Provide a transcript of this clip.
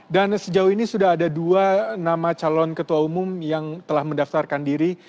dan sejauh ini sudah ada dua nama calon ketua umum yang telah mendaftarkan diri